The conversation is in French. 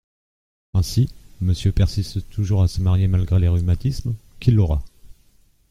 Ainsi, Monsieur persiste toujours à se marier malgré les rhumatismes… qu’il aura ?